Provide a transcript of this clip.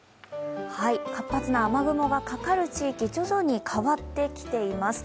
活発な雨雲がかかる地域徐々に変わってきています。